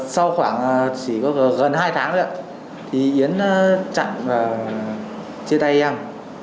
sau khoảng gần hai tháng yến chặn và chia tay em